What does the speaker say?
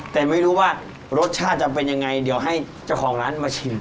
แต่ไม่รู้ว่ารสชาติจะเป็นยังไงเดี๋ยวให้เจ้าของร้านมาชิม